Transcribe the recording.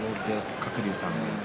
鶴竜さん。